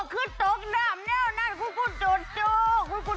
คุณตกเริ่มหน้านั่นคุณคุณโจโจ